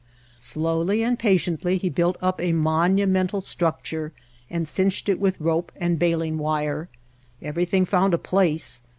Slowly and patiently he built up a monu mental structure and cinched it with rope and baling wire. Everything found a place.